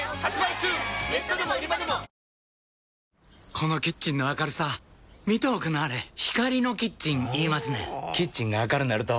このキッチンの明るさ見ておくんなはれ光のキッチン言いますねんほぉキッチンが明るなると・・・